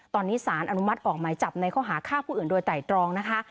ตอนนี้สารอนุมัติออกหมายจับในข้อหาฆ่าผู้อื่นโดยไตรตรองนะคะ